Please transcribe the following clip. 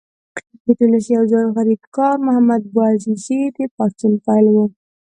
د ټونس یو ځوان غریبکار محمد بوعزیزي د پاڅون پیل و.